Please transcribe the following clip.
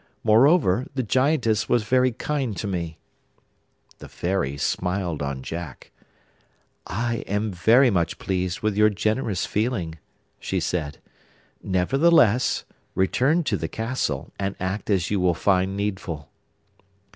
Moreover, the Giantess was very kind to me.' The Fairy smiled on Jack. 'I am very much pleased with your generous feeling,' she said. 'Nevertheless, return to the castle, and act as you will find needful.